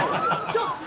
ちょっと！